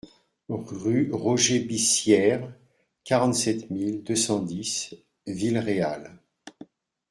Rue Roger Bissière, quarante-sept mille deux cent dix Villeréal